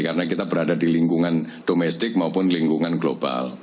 karena kita berada di lingkungan domestik maupun lingkungan global